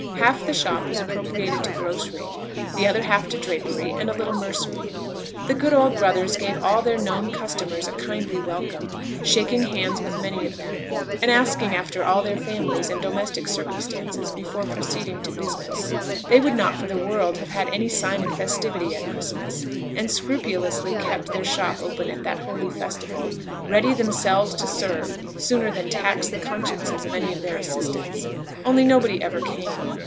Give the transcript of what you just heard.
Half the shop was appropriated to grocery; the other half to drapery, and a little mercery. The good old brothers gave all their known customers a kindly welcome; shaking hands with many of them, and asking all after their families and domestic circumstances before proceeding to business. They would not for the world have had any sign of festivity at Christmas, and scrupulously kept their shop open at that holy festival, ready themselves to serve sooner than tax the consciences of any of their assistants, only nobody ever came.